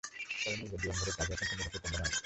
তবে নিজের জীবনভরের কাজ অসম্পূর্ণ রেখেই তোমরা মারা যাবে।